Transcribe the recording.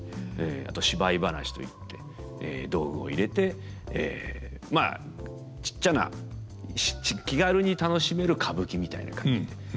あと芝居噺といって道具を入れてまあちっちゃな気軽に楽しめる歌舞伎みたいな感じで。